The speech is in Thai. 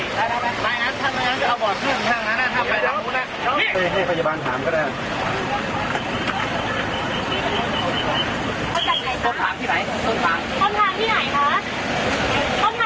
บรรยากาศที่อื่นมาเกิดเห็นด้วยตลาดพี่แกน่อน